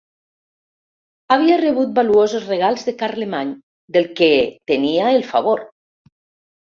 Hauria rebut valuosos regals de Carlemany del que tenia el favor.